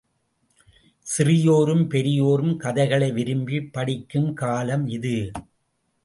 சிறியோரும், பெரியோரும் கதைகளை விரும்பி ப்டிக்கும் காலம் இது.